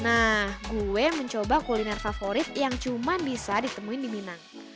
nah gue mencoba kuliner favorit yang cuma bisa ditemuin di minang